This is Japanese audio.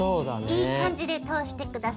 いい感じで通して下さい。